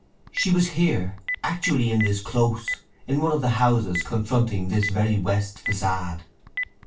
She was here—actually in this Close—in one of the houses confronting this very west façade.